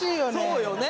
そうよね